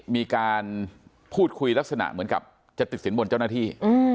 มีการพูดคุยลักษณะเหมือนกับจะติดสินบนเจ้าหน้าที่